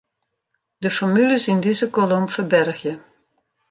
De formules yn dizze kolom ferbergje.